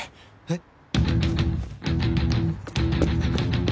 えっ？